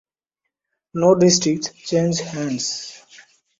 No districts changed hands.